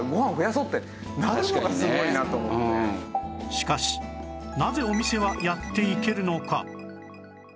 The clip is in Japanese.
しかしなぜお店はやっていけるのか？